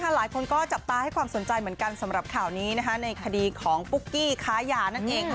หลายคนก็จับตาให้ความสนใจเหมือนกันสำหรับข่าวนี้ในคดีของปุ๊กกี้ค้ายานั่นเอง